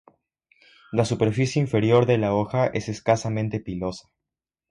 La superficie inferior de la hoja es escasamente pilosa.